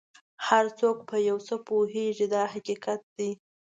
هر څوک په یو څه پوهېږي دا حقیقت دی.